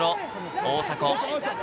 大迫。